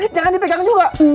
jangan dipegang juga